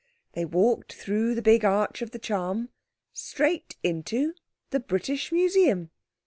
They walked through the big arch of the charm straight into the British Museum.